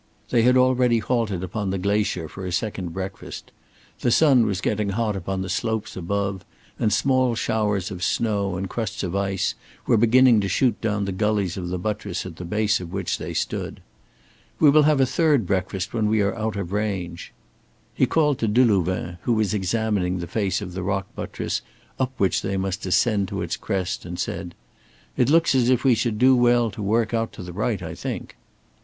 They had already halted upon the glacier for a second breakfast. The sun was getting hot upon the slopes above, and small showers of snow and crusts of ice were beginning to shoot down the gullies of the buttress at the base of which they stood. "We will have a third breakfast when we are out of range." He called to Delouvain who was examining the face of the rock buttress up which they must ascend to its crest and said: "It looks as if we should do well to work out to the right I think."